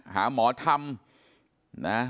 หาหมอทำ